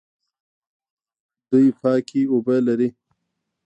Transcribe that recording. دوی پاکې اوبه لري.